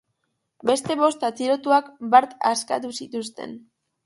Beste bost atxilotuak bart askatu zituzten.